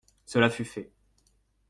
Cela fut fait.